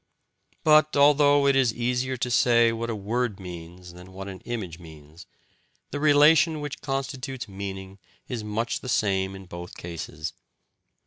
But although it is easier to say what a word means than what an image means, the relation which constitutes meaning is much the same in both cases.